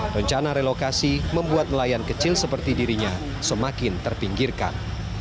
rencana relokasi membuat nelayan kecil seperti dirinya semakin terpinggirkan